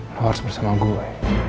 lo harus bersama gue